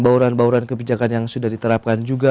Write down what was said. bauran bauran kebijakan yang sudah diterapkan juga